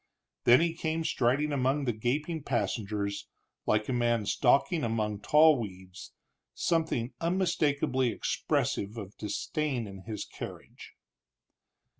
Then he came striding among the gaping passengers, like a man stalking among tall weeds, something unmistakably expressive of disdain in his carriage.